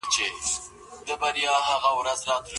سرلوړي ژوند په غلامۍ کي نه موندل کېږي.